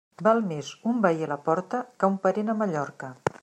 Val més un veí a la porta que un parent a Mallorca.